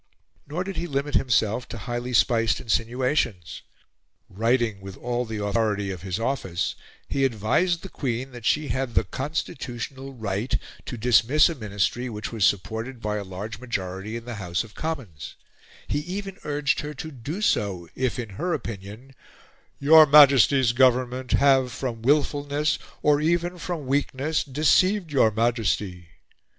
Nor did he limit himself to highly spiced insinuations. Writing with all the authority of his office, he advised the Queen that she had the constitutional right to dismiss a Ministry which was supported by a large majority in the House of Commons, he even urged her to do so, if, in her opinion, "your Majesty's Government have from wilfulness, or even from weakness, deceived your Majesty."